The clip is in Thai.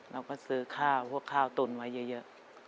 เราก็ซื้อข้าวพวกข้าวตุนไว้เยอะ